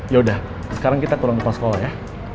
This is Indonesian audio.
yaudah sekarang kita turun ke sekolah ya